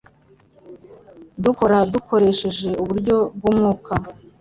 Dukora dukoresheje uburyo bw umwuka